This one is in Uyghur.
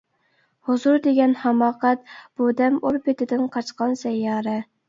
ھۇزۇر دېگەن ھاماقەت بۇ دەم، ئوربىتىدىن قاچقان سەييارە.